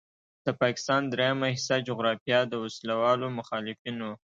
د پاکستان دریمه حصه جغرافیه د وسلوالو مخالفینو